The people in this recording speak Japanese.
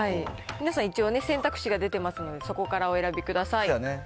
皆さん、一応ね、選択肢が出てますので、そこからお選びください。